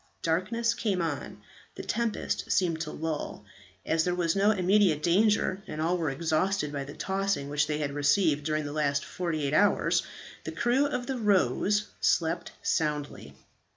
Darkness came on; the tempest seemed to lull. As there was no immediate danger, and all were exhausted by the tossing which they had received during the last forty eight hours, the crew of the "Rose" slept soundly.